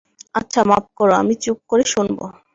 আচ্ছা, মাপ করো, আমি চুপ করে শুনব।